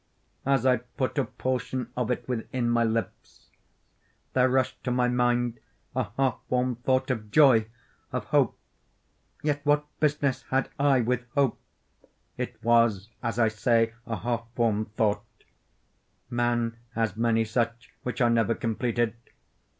As I put a portion of it within my lips, there rushed to my mind a half formed thought of joy—of hope. Yet what business had I with hope? It was, as I say, a half formed thought—man has many such, which are never completed.